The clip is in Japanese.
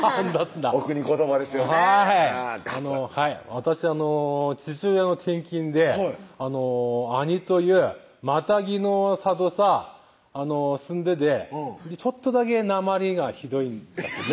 私父親の転勤で阿仁というマタギの里さ住んでてちょっとだけなまりがひどいんですね